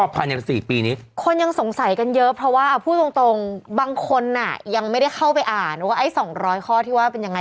ภายใน๔ปีนี้คนยังสงสัยกันเยอะเพราะว่าพูดตรงบางคนยังไม่ได้เข้าไปอ่านว่าไอ้๒๐๐ข้อที่ว่าเป็นยังไง